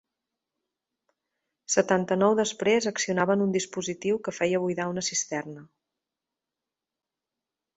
Setanta-nou després accionaven un dispositiu que feia buidar una cisterna.